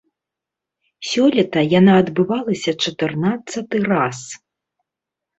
Сёлета яна адбывалася чатырнаццаты раз.